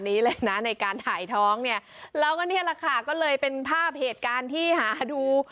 นี้เลยนะในการถ่ายท้องเนี่ยแล้วก็นี่แหละค่ะก็เลยเป็นภาพเหตุการณ์ที่หาดู